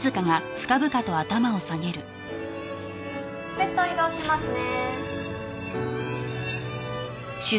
ベッド移動しますね。